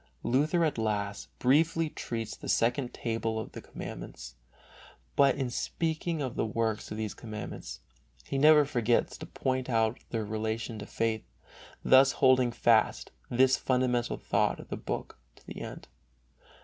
Luther, at last, briefly treats of the Second Table of the Commandments, but in speaking of the works of these Commandments he never forgets to point out their relation to faith, thus holding fast this fundamental thought of the book to the end.